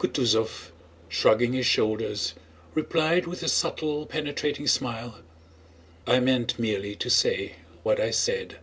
Kutúzov, shrugging his shoulders, replied with his subtle penetrating smile: "I meant merely to say what I said."